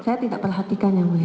saya tidak perhatikan yang mulia